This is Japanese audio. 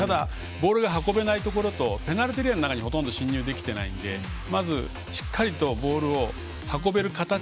ボールが運べないところとペナルティーエリアにほとんど進入できてないのでまず、しっかりとボールを運べる形